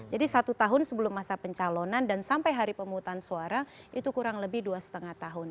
jadi satu tahun sebelum masa pencalonan dan sampai hari pemutaran suara itu kurang lebih dua lima tahun